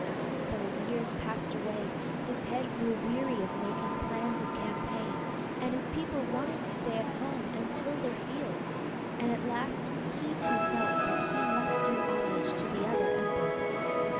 But as years passed away, his head grew weary of making plans of campaign, and his people wanted to stay at home and till their fields, and at last he too felt that he must do homage to the other emperor.